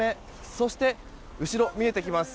そして、後ろに見えてきます